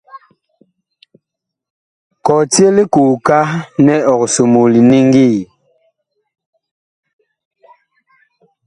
Kɔtye likooka nɛ ɔg somoo liniŋgi.